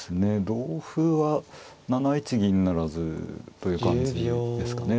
同歩は７一銀不成という感じですかね。